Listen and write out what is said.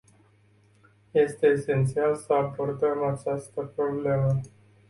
Este esențial să abordăm această problemă.